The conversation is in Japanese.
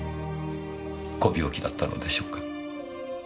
ご病気だったのでしょうか？